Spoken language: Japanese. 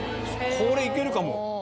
これ、いけるかも。